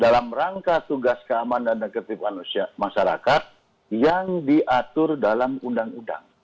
dalam rangka tugas keamanan dan negatif masyarakat yang diatur dalam undang undang